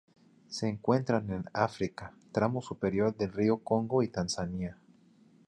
Se encuentran en África: tramo superior del río Congo y Tanzania.